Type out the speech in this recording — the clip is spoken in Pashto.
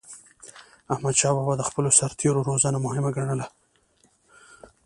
احمدشاه بابا د خپلو سرتېرو روزنه مهمه ګڼله.